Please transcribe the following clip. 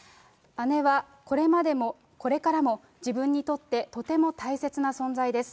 姉はこれまでもこれからも、自分にとってとても大切な存在です。